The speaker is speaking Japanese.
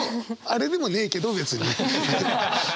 「あれ」でもねえけど別に。